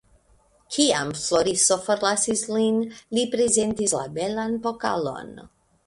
Kiam Floriso forlasis lin, li prezentis la belan pokalon.